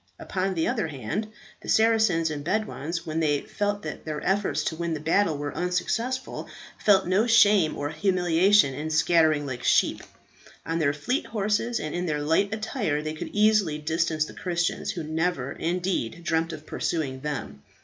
Upon the other hand, the Saracens and Bedouins when they felt that their efforts to win the battle were unsuccessful, felt no shame or humiliation in scattering like sheep. On their fleet horses and in their light attire they could easily distance the Christians, who never, indeed, dreamt of pursuing them.